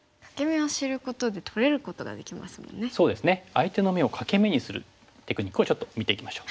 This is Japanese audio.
相手の眼を欠け眼にするテクニックをちょっと見ていきましょう。